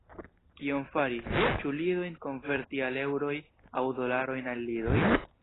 Kion fari: ĉu lidojn konverti al eŭroj, aŭ dolarojn al lidoj?